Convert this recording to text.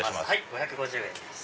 ５５０円です。